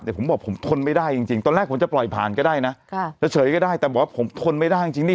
แต่ผมบอกผมทนไม่ได้จริงจริงตอนแรกผมจะปล่อยผ่านก็ได้นะจะเฉยก็ได้แต่บอกว่าผมทนไม่ได้จริงนี่